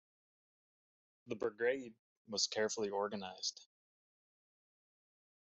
The Brigade was carefully organized.